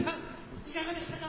いかがでしたか？